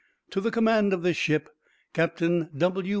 To the command of this ship Captain W.